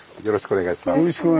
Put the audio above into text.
よろしくお願いします。